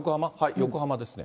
横浜ですね。